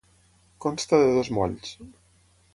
Consta de dos molls.